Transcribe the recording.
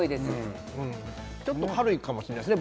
ちょっと軽いかもしれないですね